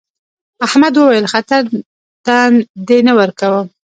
احمد وويل: خطر ته دې نه ورکوم.